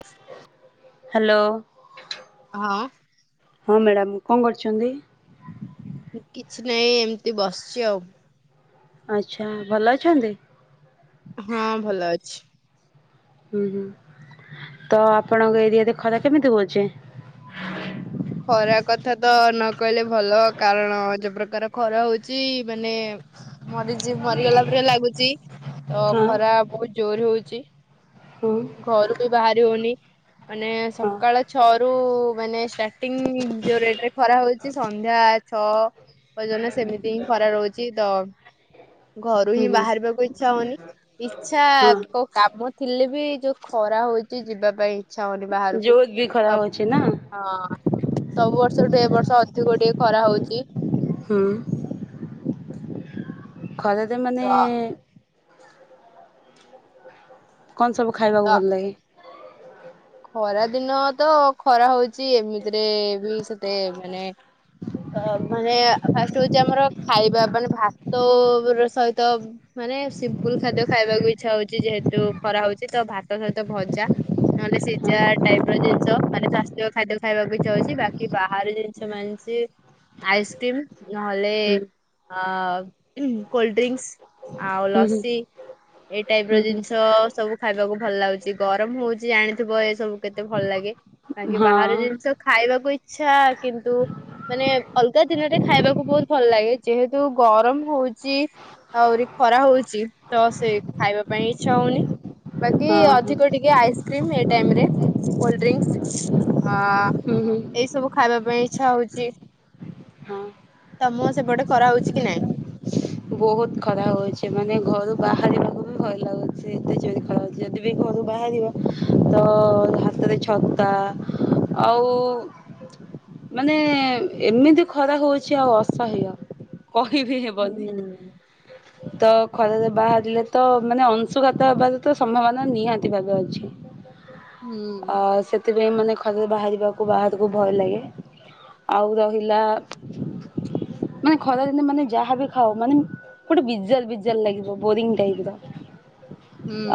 [unintelligible] Hello ହଁ ହଁ madam କଣ କରୁଛନ୍ତି କିଛି ନାହିଁ ଏମିତି ବସିଛି ଆଉ ଆଛା ଭଲ ଅଛନ୍ତି। ହଁ ଭଲ ଅଛି। ହୁଁ ହୁଁ ତ ଆପଣଙ୍କ ଏରିଆ ରେ ଖରା କେମିତି ହଉଛି? ଖରା କଥା ତ ନ କହିଲେ ଭଲ କାରଣ ଯଉ ପ୍ରକାର ଖରା ହଉଛି ମାନେ ମରି ମରିଗଲା ପରେ ଲାଗୁଛି। ତ ହଁ ଖରା ବହୁତ ଜୋର ହଉଛି ହଁ ଘରୁ ବି ବାହାରି ହଉନି ମାନେ ହଁ। ସକାଳ ଛଅ ରୁ ମାନେ ଷ୍ଟାର୍ଟିଂ ଯୋଉ ରେଟ ରେ ଖରା ହଉଛି ସନ୍ଧ୍ୟା ଛଅ ପର୍ଯ୍ୟନ୍ତ ସେମିତି ହିଁ ଖରା ରହୁଛି ତ ଘରୁ ହୁଁ ହିଁ ହୁଁ ବାହାରିବାକୁ ଇଚ୍ଛା ହଉନି ଇଛା ହଁ କଉ କାମ ଥିଲେ ବି ଯୋଉ ଖରା ହଉଛି ଯିବା ପାଇଁ ଇଚ୍ଛା ହଉନି ବାହାରକୁ ଜୋର ବି ଖରା ସବୁ ହଉଛି ନା? ହଁ ସବୁ ବର୍ଷରୁୁ ଏ ବର୍ଷ ଅଧିକ ଟିକେ ଖରା ହଉଛି ହୁଁ ଖରା ତ ମାନେ କଣ ସବୁ ଖାଇବାକୁ ତ ଭଲ ଲାଗେ [unintelligible] ଖରା ଦିନ ତ ଖରା ହଉଛି ଏମିତିରେ ବି ସେତେ ମାନେ ମାନେ ଫାଷ୍ଟ ହଉଛି ଆମର ଖାଇବା ମାନେ ଭାତ ର ସହିତ ମାନେ ସିମ୍ପଲ ଖାଦ୍ୟ ଖାଇବାକୁ ଇଚ୍ଛା ହଉଛି ଯେହେତୁ ଖରା ହଉଛି ତ ଭାତ ସହିତ ଭଜା ନହେଲେ ହଁ ସିଝା ଟାଇପ ର ଜିନିଷ ମାନେ ସ୍ୱାସ୍ଥ୍ୟ ଖାଦ୍ୟ ଖାଇବାକୁ ଇଚ୍ଛା ହଉଛି ବାକି ବାହାର ଜିନିଷ ମାନଛି ଆଇସ୍କ୍ରିମ ନହେଲେ ହୁଁ କୋଲଡ ଡ୍ରିଙ୍କସ ଆଉ ହୁଁ ହୁଁ ଲସି ଏଇ ଟାଇପ ହୁଁ ର ହୁଁ ଜିନିଷ ସବୁ ଖାଇବାକୁ ଭଲ ଲାଗୁଛି ଗରମ ହଉଛି ଜାଣିଥିବ ଏ ସବୁ କେତେ ଭଲ ଲାଗେ। ବା କି ହଁ ବାହାର ଜିନିଷ ଖାଇବାକୁ ଇଚ୍ଛା କିନ୍ତୁ ମାନେ ଅଲଗା ଦିନରେ ଖାଇବାକୁ ବହୁତ ଭଲ ଲାଗେ ଯେହେତୁ ଗରମ ହଉଛି ଆହୁରି ଖରା ହଉଛି ତ ସେ ଖାଇବା ପାଇଁ ଇଚ୍ଛା ହଉନି ବାକି ହଁ ହଁ ଅଧିକ ଟିକେ ଆଇସ୍କ୍ରିମ ଏ ଟାଇମରେ କୋଲଡଡ୍ରିଙ୍କସ ହୁଁ ହୁଁ ଏଇ ସବୁ ଖାଇବା ପାଇଁ ଇଚ୍ଛା ହଉଛି ହଁ। ତମ ସେପଟେ ଖରା ହଉଛି କି ନାଇଁ? ବହୁତ ଖରା ହଉଛି ମାନେ ଘରୁ ବାହାରିବାକୁ ବି ଭୟ ଲାଗୁଛି ଏତେ ଜୋରରେ ଖରା ହଉଛି ଯଦି ବି ଘରୁ ବାହାରିବା ତ ହାତରେ ଛତା ଆଉ ମାନେ ଏମିତି ଖରା ହଉଛି ଆଉ ଅସହ୍ୟ କହି ବି ହେବନି। ହୁଁ। ତ ଖରାରେ ବାହାରିଲେ ତ ମାନେ ଅଂଶୁଘାତ ହେବାର ତ ସମ୍ଭାବନା ନିହାତି ଭାବେ ଅଛି ହୁଁ ଆଉ ସେଥିପାଇଁ ମାନେ ଖରାରେ ବାହାରିବାକୁ ବାହାରକୁ ଭୟ ଲାଗେ ଆଉ ରହିଲା ମାନେ ଖରା ଦିନେ ମାନେ ଯାହାବି ଖାଉ ମାନେ ଗୋଟେ ବିଜାର ବିଜାର ଲାଗିବ ବୋରିଂ ଟାଇପର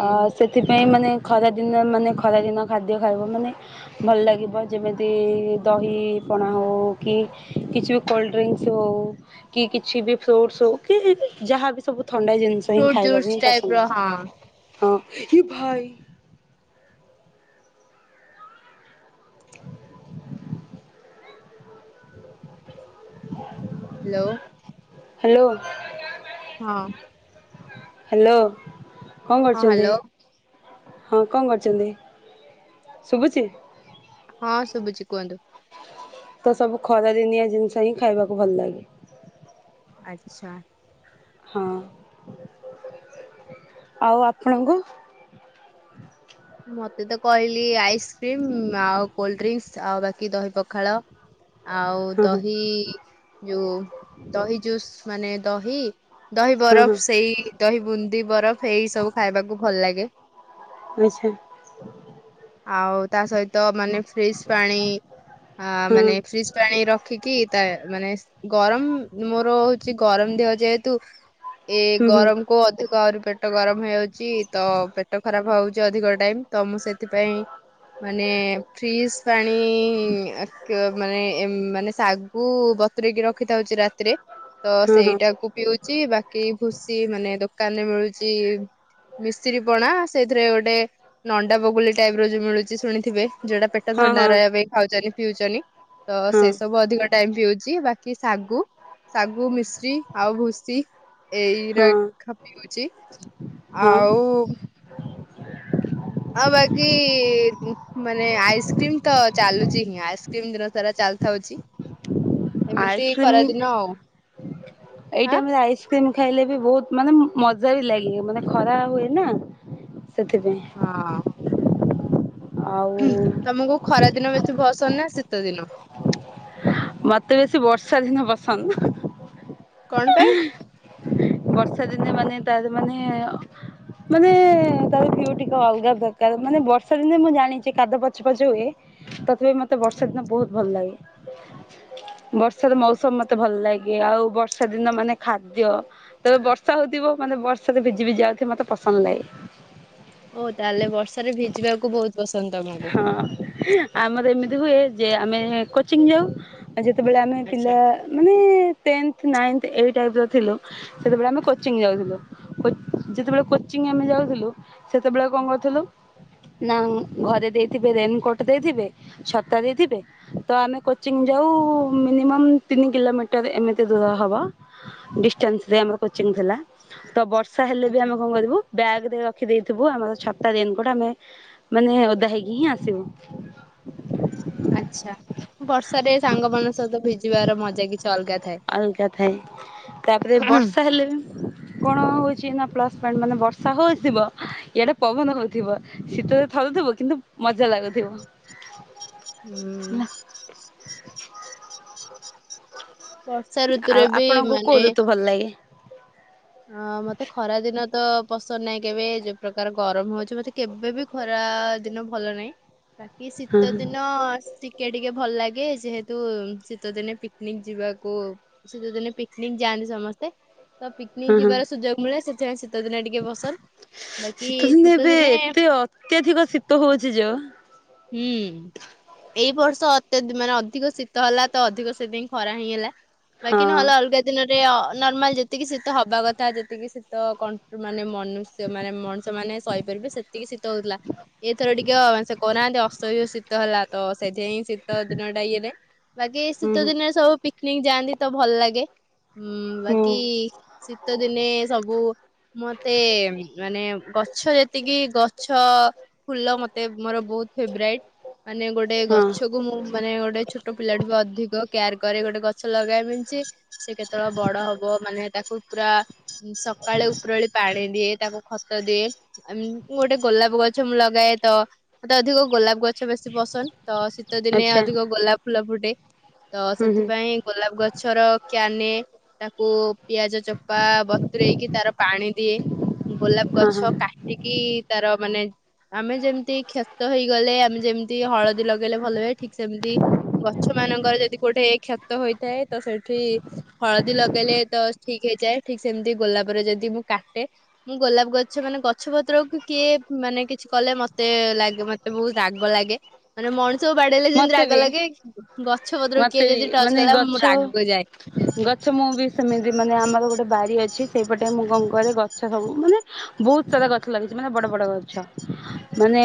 ଆ ସେଥିପାଇଁ ମାନେ ଖରାଦିନେ ମାନେ ଖରାଦିନ ଖାଦ୍ୟ ଖାଇବ ମାନେ ଭଲ ଲାଗିବ ଯେମିତି ଦହି ପଣା ହେଉ କି କିଛି ବି କୋଲ୍ଡ଼ ଡ୍ରିଙ୍କସ୍ ହେଉ କି କିଛି ବି ଫ୍ରୁଟ୍ସ୍ ହଉ କି ଯାହାବି ସବୁ ଥଣ୍ଡା ଜିନିଷ ହିଁ ଫ୍ରୁଟ ଖାଇବାକୁ ଜୁସ୍ ହିଁ ଟାଇପ ପସନ୍ଦ ର ହଁ ଅଛି ହଁ। କି ଭାଇ ହ୍ୟାଲୋ ହ୍ୟାଲୋ ହଁ ହ୍ୟାଲୋ କଣ ହଁ କରୁଛନ୍ତି? ହ୍ୟାଲୋ ହଁ କଣ କରୁଛନ୍ତି ଶୁଭୁଛି? ହଁ ଶୁଭୁଛି କୁହନ୍ତୁ। ତ ସବୁ ଖରାଦିନିଆ ଜିନିଷ ହିଁ ଖାଇବାକୁ ଭଲ ଲାଗେ। ଆଚ୍ଛା। ହଁ ଆଉ ଆପଣଙ୍କୁ ମତେ ତ କହିଲି ଆଇସ୍କ୍ରିମ ଆଉ କୋଲଡ ଡ୍ରିଙ୍କସ ଆଉ ବାକି ଦହି ପଖାଳ ଆଉ ହଁ ହଁ ଦହି ଯୋଉ ଦହି ଜୁସ୍ ମାନେ ଦହି ଦହି ହଁ ହଁ ବରଫ ସେଇ ଦହି ବୁନ୍ଦି ବରଫ ଏଇ ସବୁ ଖାଇବାକୁ ଭଲ ଲାଗେ। ଆଚ୍ଛା ଆଉ ତା ସହିତ ମାନେ ଫ୍ରିଜ ପାଣି ଆ ହଁ ମାନେ ଫ୍ରିଜ ପାଣି ରଖିକି ତା ମାନେ ଗରମ ମୋର ହଉଛି ଗରମ ଦେହ ଯେହେତୁ ଏ ହୁଁ ହୁଁ ଗରମ କୁ ଅଧିକ ଗାଁରୁ ପେଟ ଗରମ ହେଇଯାଉଛି ତ ପେଟ ଖରାପ ହଉଛି ଅଧିକ ଟାଇମ୍ ତ ମୁଁ ସେଥିପାଇଁ ମାନେ ଫ୍ରିଜ ପାଣି ମାନେ ମାନେ ଶାଗୁ ବତୁରେଇକି ରଖିଦଉଛି ରାତିରେ ତ ହଁ ହଁ ସେଇଟାକୁ ପିଉଛି ବାକି ଭୁସି ମାନେ ଦୋ ଦୋକାନରେ ମିଳୁଛି ମିଶ୍ରି ପଣା ସେଇଥିରେ ଗୋଟେ ନଣ୍ଡା ବଗୁଲି ଟାଇପ ର ଯୋଉ ମିଳୁଛି ଶୁଣିଥିବେ ଯୋଉଟା ପେଟ ହଁ ଥଣ୍ଡା ହଁ ରହିବା ପାଇଁ ଖାଉଛନ୍ତି ପିଉଚନ୍ତି ତ ହଁ ସେ ସବୁ ଅଧିକ ଟାଇମ ପିଉ ଚି ବାକି ଶାଗୁ ଶାଗୁ ମିଶ୍ରୀ ଆଉ ଭୁସି ଏଇରା ହଁ ଖ ପିଉଚି ହଁ ଆଉ ଇ ମାନେ ଆଇସ୍କ୍ରିମ ତ ଚାଲୁଚି ହିଁ ଆଇସ୍କ୍ରିମ ଦିନ ସାରା ଚାଲିଥାଉଚି। ଆଇସ୍କ୍ରିମ୍ ଏଇ ହଁ ଟାଇମରେ ଆଇସ୍କ୍ରିମ୍ ଖାଇଲେ ବି ବହୁତ ମାନେ ମଜା ବି ଲାଗେ ମାନେ ଖରା ହୁଏ ନା। ସେଥିପାଇଁ। ଆଉ ହୁଁ ତମୁକୁ ଖରା ଦିନ ବେଶି ଭସନ ନାଁ ଶୀତ ଦିନ? ମତେ ବେଶୀ ବର୍ଷା ଦିନ ପସନ୍ଦ। କଣ ପାଇଁ? ବର୍ଷା ଦିନେ ମାନେ ତାର ମାନେ ମାନେ ତାର ଭିୟୁ ଟିକେ ଅଲଗା ପ୍ରକାର ମାନେ ବର୍ଷା ଦିନେ ମୁଁ ଜାଣିଚି କାଦୁଅ ପଚ ପଚ ହୁଏ ତଥାପି ମତେ ବର୍ଷା ଦିନ ବହୁତ୍ ଭଲ ଲାଗେ। ବର୍ଷାର ମୌସମ ମତେ ଭଲ ଲାଗେ ଆଉ ବର୍ଷା ଦିନ ମାନେ ଖାଦ୍ୟ ତେବେ ବର୍ଷା ହୋଉଥିବ ମାନେ ବର୍ଷାରେ ଭିଜି ଭିଜି ଯାଉଥିବି ମତେ ପସନ୍ଦ ଲାଗେ। ଓ ତାହେଲେ ବର୍ଷାରେ ଭିଜିବାକୁ ବୋହୁତ ପସନ୍ଦ ତମକୁ। ହଁ ଆମର ଏମିତି ହୁଏ ଯେ ଆମେ କୋଚିଂ ଯାଉ ଯେତୋବେଳେ ଆମେ ଆଚ୍ଛା ପିଲା ମାନେ ଟେନଥ୍ ନାଇନ୍ ଏଇ ଟାଇପର ଥିଲୁ ସେତବେଳେ ଆମେ କୋଚିଂ ଯାଉଥିଲୁ, କୋଚ୍ ଯେତୋବେଳେ କୋଚିଂ ଆମେ ଯାଉଥିଲୁ‌ ସେତୋବେଳେ କଣ କରଥୁଲୁ ନା ଘରେ ଦେଇଥିବେ ରେନକୋଟ ଦେଇଥିବେ ଛତା ଦେଇଥିବେ ତ ଆମେ କୋଚିଙ୍ଗ୍ ଯାଉଉ ମିନିମମ୍ ତିିନି କିଲୋମିଟର ଏମିତି ଦୂର ହବ, ଡିଷ୍ଟାନ୍ସରେ ଆମର କୋଚିଂ ଥିଲା, ତ ବର୍ଷ ର୍ଷା ହେଲେ ବି ଆଚ୍ଛା ଆମେ କଣ କରିବୁ ବ୍ୟାଗରେ ରଖ୍ ଖି ଦେଇଥିବୁ ଆମର ଛତା ରେନକୋଟ୍ ଆମେ ମାନେ ଓଦା ହେଇକି ହିଁ ଆସିବୁ। ଆଛା ବର୍ଷ ରେ ସାଙ୍ଗମାନଙ୍କ ସହିତ ଭିଜିବାର ମଜ୍ ଅଲଗା ଥାଏ, ତାପରେ ବର୍ଷା ହେଲେ ବି କଣ ହୋଉ ଛିନା ପ୍ଲସ୍ ପଏଣ୍ଟ ମାନେ ବର୍ଷା ହୋଉଥିବ ଇଆଡେ ପବନ ହୋଉଥିବ ଶୀତରେ ଥରୁଥିବୁ କିନ୍ତୁ ମଜା ଲାଗୁଥିବ। ହେଲା ଉଁ ଋତୁରେ ଆଉ ଆପଣଙ୍କୁ କୋଉ ଋତୁ ଭଲ ଲାଗେ? ହଁ ମତେ ଖରା ଦିନ ତ ପସନ୍ଦ ନାହିଁ କେବେ ଯୋଉ ପ୍ରକାର ଗରମ ହୋଉଚି ମତେ କେବେ ବି ଖରା ଦିନ ଭଲ ନାହିଁ। ବାକି ହଁ ଶୀତ ହଁ ଦିନ ଶୀକ୍ ଟିକେ ଟିକେ ଭଲ ଲାଗେ ଯେହେତୁ ଶୀତ ଦିନେ ପିକନିକ୍ ଯିବାକୁ ଶୀତ ଦିନେ ପିକନିକ୍ ଯାଆନ୍ତି ସମସ୍ତେ ତ ନି ହଁ ହଁ ଯିବାର ସୁଯୋଗ ମିଳେ ସେ ଜୟଶ୍ରୀ ଶୀତ ଦିନେ ଟିକେ ଫସଲ୍ ବାକି ଶୀତ ଏବେ ଦିନେ ଏତେ ଅତ୍ୟଧିକ ଶୀତ ହଉଛି ଯୋଉ ହୁଁ ଏଇ ବର୍ଷ୍ ସ ଅତ୍ୟଦ୍ ମାନେ ଅଧିକ ଶୀତ ହେଲା ତ ଅଧିକ ସେଥିପାଇଁ ଖରା ହେଇଁଗଲା। ହଁ ବାକି ନହେଲେ ଅଲଗା ଦିନରେ ଅ ନର୍ମାଲ୍ ଯେତ୍ ଟିକେ ଶୀତ୍ ତ ହବା କଥା ଯେତିକି ଶୀତ କଣ୍ ମାନେ ମନୁଷ୍ୟ ମାନେ ମଣିଷ ମାନେ ସହିପାରିବେ ସେତିକି ଶୀତ ହଉଥିଲା ଏଥର ଟିକେ ସେ କହୁନାହାନ୍ତି ଅସହ୍ୟ ଶୀତ ଶୀତ ହେଲା ତ ସେଥି ପାଇଁ ଶୀତ ଦିନ ଟା ଇଏରେ ବାକି ହୁଁ ଶୀତ ଦିନେ ସବୁ ପିକନିକ ଯାଆନ୍ତି ତ ଭଲ ଲାଗେ। ହୁଁ ବାକି ଶୀତ ଦିନେ ସବୁ ମତେ ମାନେ ଗଛ ଯେତିକି ଗଛ ଫୁଲ ମତେ ମୋର ବହୁତ ଫେବରାଇଟ୍ ମାନେ ଗୋଟେ ହଁ ଗଛ କୁ ମୁଁ ମାନେ ଗୋଟେ ଛୋଟ ପିଲାଠୁ ବି ଅଧିକ କେୟାର କରେ ଗୋଟେ ଗଛ ଲଗାଇବା ମିନ୍ସ ସେ କେତେବେଳେ ବଡ ହବ ମାନେ ତାକୁ ପୁରା ସକାଳେ ଉପର ଓଳି ପାଣି ଦିଏ ତାକୁ ଖତ ଦିଏ ଉମ୍ ଗୋଟେ ଗୋଲାପ ଗଛ ମୁଁ ଲଗାଏ ତ ମତେ ଅଧିକ ଗୋଲାପ ଗଛ ବେଶୀ ପସନ୍ଦ। ତ ଶୀତ ଦିନେ ଆଚ୍ଛା ଅଧିକ ଗୋଲାପ ଫୁଲ ଫୁଟେ। ତ ହୁଁ ହୁଁ ସେଥିପାଇଁ ଗୋଲାପ ଗଛର କେୟାର୍ ନେ ତାକୁ ପିଆଜ ଚୋ ବା ବତରେଇକି ତାର ପାଣି ଦିଏ। ଗୋଲାପ ହଁ ହଁ ଗଛ କାଟିକି ତାର ମାନେ ଆମେ ଯେମିତି କ୍ଷତ ହେଇଗଲେ ଆମେ ଯେମିତି ହଳଦୀ ଲଗେଇଲେ ଭଲ ହୁଏ ଠିକ ସେମିତି ଗଛ ମାନଙ୍କର ଯଦି କୋଉଠେ କ୍ଷତ ହେଇଥାଏ ତ ସେଠି ହଳଦୀ ଲଗେଇଲେ ତ ଠିକ ହେଇଯାଏ। ଠିକ ସେମିତି ଗୋଲାପରେ ଯଦି ମୁଁ କାଟେ ମୁଁ ଗୋଲାପ ଗଛ ମାନେ ଗଛ ପତ୍ରକୁ କିଏ ମାନେ କିଛି କଲେ ମତେ ଲାଗେ ମତେ ବହୁତ ରାଗ ଲାଗେ ମାନେ ମଣି ଆଙ୍କୁ ବାଡେଇଲେ ଯେମତି ମତେ ରାଗ ବି ଲାଗେ ଗଛ ପତ୍ର ମତେ କିଏ ବି ଯଦି ଟଚ ମାନେ କଲା ମୁଁ ଗଛ ରାଗି ଯାଏ। ଗଛ ମୁଁ ବି ସେମିତି ମାନେ ଆମର ଗୋଟେ ବାରି ଅଛି ସେଇପଟେ ମୁଁ କଣ କରେ ଗଛ ସବୁ ମାନେ ବହୁତ ସାରା ଗଛ ଲାଗିଛି ମାନେ ବଡ ବଡ ଗଛ ମାନେ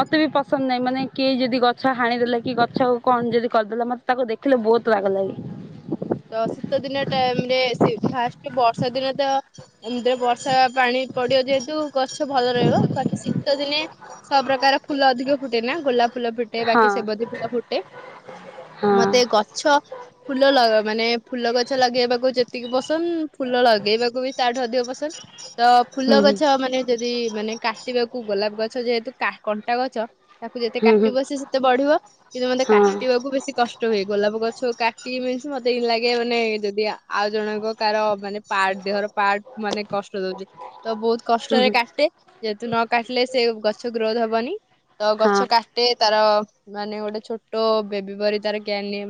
ମତେ ବି ପସନ୍ଦ ନାହିଁ ମାନେ କେହି ଯଦି ଗ ଗଛ ହାଣିଦେଲେ କି ଗଛକୁ କଣ ଯଦି କରିଦେଲେ ମତେ ତାକୁ ଦେଖିଲେ ବହୁତ ରାଗ ଲାଗେ। ତ ଶୀତ ଦିନେ ଟାଇମ ରେ ସେ ଫାଷ୍ଟ କି ବର୍ଷା ଦିନେ ତ ଏମିତିରେ ବର୍ଷା ପାଣି ପଡିବ ଯେହେତୁ ଗଛ ଭଲ ରହିବ ବାକି ଶୀତ ଦିନେ ସବୁପ୍ରକାର ଫୁଲ ଅଧିକ ଫୁଟେ ନା ଗୋଲାପ। ଫୁଲ ଫୁଟେ ବାକି ହଁ। ସେବତି ଫୁଲ ଫୁଟେ। ହଁ ମତେ ଗଛ ଫୁଲ ଲଗା ମାନେ ଫୁଲ ଗଛ ଲଗେଇବାକୁ ଯେତିକି ପସନ୍ଦ ଫୁଲ ଲଗେଇବାକୁ ବି ତାଠୁ ଅଧିକ ପସନ୍ଦ ତ ଫୁଲ ହୁଁ ଗଛ ମାନେ ଯଦି ମାନେ କାଟିବାକୁ ଗୋଲାପ ଗଛ ଯେହେତୁ କଣ୍ଟା ଗଛ ତାକୁ ଯେତେ ହୁଁ ହୁଁ କାଟିବ ସେ ସେତେ ବଢିବ କିନ୍ତୁ ମତେ ହୁଁ ହଁ କାଟିବାକୁ ବେଶୀ କଷ୍ଟ ହୁଏ ଗୋଲାପ ଗଛ କାଟିବି ମତେ ଏଇ ଲାଗେ ମାନେ ଯଦି ଆଉ ଜଣଙ୍କ କାର ମାନେ ପାର୍ଟ ଦେହର ପାର୍ଟ ମାନେ କଷ୍ଟ ଦଉଛି ତ ବହୁତ୍ ହୁଁ କଷ୍ଟରେ ହୁଁ କାଟେ ଯେହେତୁ ନ କାଟିଲେ ସେ ଗଛ ଗ୍ରୋଥ ହବନି ତ ହଁ ଗଛ କାଟେ ତାର ମାନେ ଗୋଟେ ଛୋଟ ବେବି ପରି ତାର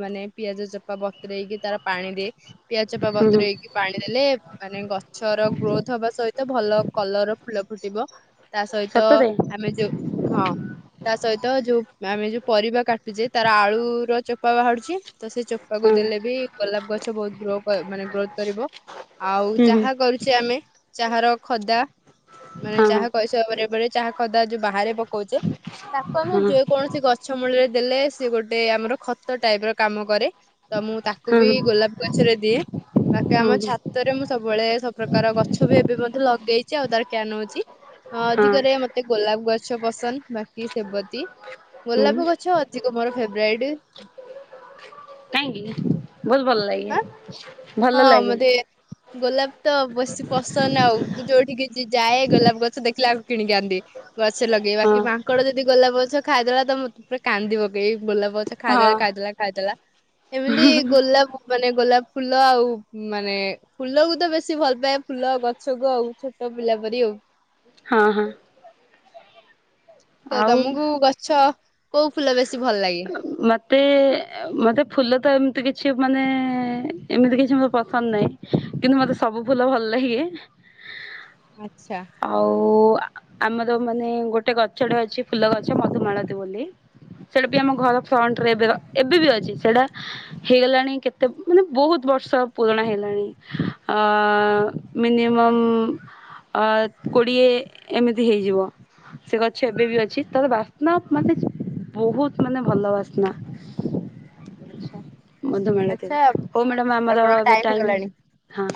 ମାନେ ପିଆଜ ଚୋପା ବ ବତୁରେଇକି ତାର ପାଣି ଦିଏ ପିଆଜ ଚୋପା ହୁଁ ହୁଁ ବତରେଇକି ପାଣି ଦେଲେ ମାନେ ଗଛର ଗ୍ରୋଥ ହବା ସହିତ ଭଲ କଲର ର ଫୁଲ ଫୁଟିବ। ତା ସହିତ ସତରେ ଆମେ ଯୋଉ ହଁ ତା ସହିତ ଯୋଉ ଆମେ ଯୋଉ ପରିବା କାଟୁଛେ ତାର ଆଳୁର ର ଚୋପା ବାହାରୁଛି ତ ସେ ଚୋପାକୁ ହୁଁ ଦେଲେ ବି ଗୋଲାପ ଗଛ ବହୁତ ଗ୍ରୋ ମାନେ ଗ୍ରୋଥ କରିବ। ଆଉ ହୁଁ ହୁଁ ଚାହା କରୁଛେ ଆମେ ଚାହାର ଖଦା ମାନେ ହଁ ଚାହା କସିବା ପରେ ପରେ ଚାହା ଖଦା ଯୋଉ ବାହାରେ ପକଉଛେ ତାକୁ ଆମେ ହଁ ହଁ ଯେ କୌଣସି ଗଛ ମୂଳରେ ଦେଲେ ସେ ଗୋଟେ ଆମର ଖତ ଟାଇପ ର କାମ କରେ ତ ମୁଁ ତାକୁ ହଁ କୋବି ଗୋଲାପ ଗଲା ସେରେ ଦିଏ ବାକି ହୁଁ ଆମ ହୁଁ ଛାତରେ ମୁଁ ସବୁବେଳେ ସବୁପ୍ରକାର ଗଛ ବି ଏବେ ମଧ୍ୟ ଲଗେଇଛି ଆଉ ତାର କେୟାର ନଉଛି ହଁ ଅଧିକରେ ମତେ ଗୋଲାପ ଗଛ ପସନ୍ଦ ବାକି ସେବତୀ ହୁଁ ଗୋଲାପ ଗଛ ଅଧିକ ମୋର ଫେବରାଇଟ କାହିଁକି ବହୁତ ଭଲ ଲାଗେ। ହଁ ଭଲ ହଁ ଲାଗେ ମତେ ଗୋଲାପ ତ ବେଶୀ ପସନ୍ଦ ଆଉ ଯୋଉଠିକି କି ଯାଏ ଗୋଲାପ ଗଛ ଦେଖିଲା ଆକୁ କିଣିକି ଆଣିଦିଏ ଗଛ ଲଗେଇବା କି ହଁ ମାଙ୍କଡ ଯଦି ଗୋଲାପ ଗଛ ଖାଇଦେଲା ତ ମତେ ପୁରା କାନ୍ଦି ପକେଇବି ବୁଲା ବଉଛ ହଁ ଖାଇଦେଲା ଖାଇଦେଲା ଖାଇଦେଲା ଏମିତି ଗୋଲାପ ମାନେ ଗୋଲାପ ଫୁଲ ଫୁଲ ଆଉ ମାନେ ଫୁଲକୁ ତ ବେଶୀ ଭଲ ପାଏ ଫୁଲ ଗଛକୁ ଆଉ ଛୋଟ ପିଲା ପରି ଆଉ ହଁ ହଁ। ତ ଆଉ ତମକୁ ଗଛ କୋଉ ଫୁଲ ବେଶୀ ଭଲ ଲାଗେ? ମତେ ମତେ ଫୁଲ ତ ଏମିତି କିଛି ମାନେ ଏମିତି କିଛି ମୋ ପସନ୍ଦ ନାହିଁ କିନ୍ତୁ ମତେ ସବୁ ଫୁଲ ଭଲ ଲାଗେ ଆଚ୍ଛା ଆଉ ଆମର ମାନେ ଗୋଟେ ଗଛଟେ ଅଛି ଫୁଲ ଗଛ ମଧୁମାଳତି ବୋଲି ସେଟା ବି ଆମ ଘର ଫ୍ରଣ୍ଟରେ ଏବେ ଏବେ ବି ଅଛି ସେଇଟା ହେଇଗଲାଣି କେତେ ମାନେ ବହୁତ ବର୍ଷ ପୁରୁଣା ହେଇଗଲାଣି ମିନିମମ୍ କୋଡ଼ିଏ ଏମିତି ହେଇଯିବ ସେ ଗଛ ଏବେ ବି ଅଛି ତାର ବାସ୍ନା ମାନେ ବହୁତ ମାନେ ଭଲ ବାସ୍ନା ବାସ୍ନା। ଆଚ୍ଛା ମଧୁମାଳତି ଆଚ୍ଛା ର ହଉ ମ୍ୟାଡ଼ମ ଆମର ଆପଣଙ୍କ ଏବେ ଟାଇମ ଟାଇମ୍ ହେଇଗଲାଣି ହଁ